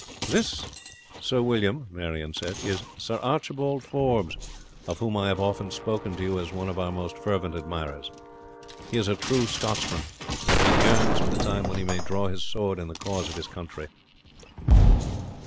"This, Sir William," Marion said, "is Sir Archibald Forbes, of whom I have often spoken to you as one of your most fervent admirers. He is a true Scotsman, and he yearns for the time when he may draw his sword in the cause of his country."